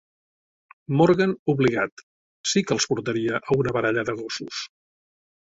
Morgan obligat: "Sí que els portaria a una baralla de gossos".